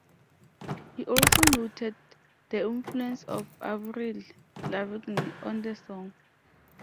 He also noted the influence of Avril Lavigne on the song.